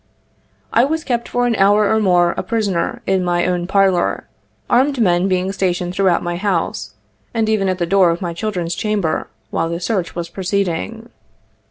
I was kept for an hour or more a prisoner in my own parlor — armed men being sta tioned throughout my house, and even at the door of my children's chamber while this search was proceeding.